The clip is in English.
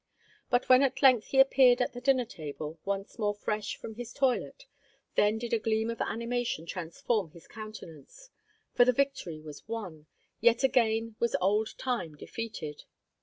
But when at length he appeared at the dinner table, once more fresh from his toilet, then did a gleam of animation transform his countenance; for the victory was won; yet again was old time defeated.